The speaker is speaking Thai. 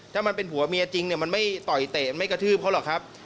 ถ้ามันเป็นผัวเมียจริงเนี่ยมันไม่ต่อยเตะไม่กระทืบเขาหรอกครับ